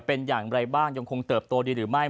เป็นอย่างไรบ้างยังคงเติบโตดีหรือไม่